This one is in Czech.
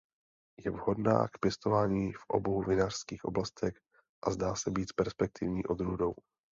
Je vhodná k pěstování v obou vinařských oblastech a zdá se být perspektivní odrůdou.